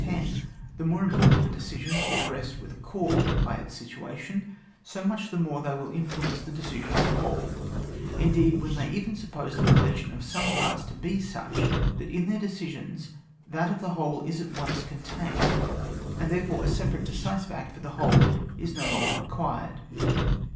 The more important the decisions which rest with a corps by its situation, so much the more they will influence the decision of the whole ; indeed, we may even suppose the relation of some parts to be such that in their decisions that of the whole is at once contained, and, therefore, a separate decisive act for the whole is no longer required.